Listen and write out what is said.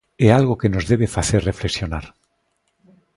É algo que nos debe facer reflexionar.